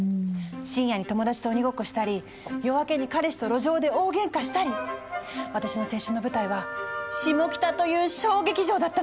深夜に友達と鬼ごっこしたり夜明けに彼氏と路上で大げんかしたり私の青春の舞台はシモキタという小劇場だったの。